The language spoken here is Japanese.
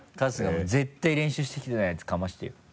もう絶対練習してきてないやつかましてよ。